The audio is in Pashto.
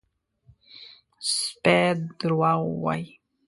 _سپی دروغ وايي!